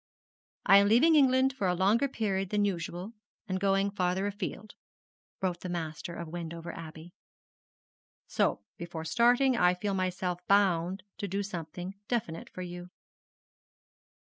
'I am leaving England for a longer period than usual, and going farther afield,' wrote the master of Wendover Abbey; 'so before starting I feel myself bound to do something definite for you.'